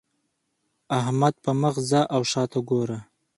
احمده! پر مخ ځه او شا ته ګوره.